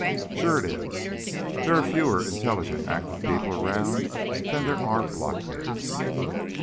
_ Sure it is. _There are fewer intelligent, active people around than there are blockheads.